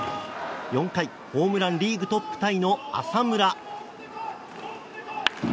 ４回、ホームランリーグトップタイの浅村。